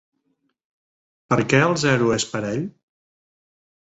Per què el zero és parell?